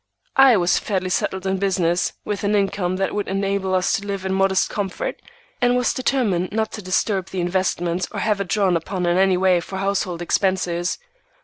I was fairly settled in business, with an income that would enable us to live in modest comfort, and was determined not to disturb the investment or have it drawn upon in any way for household expenses.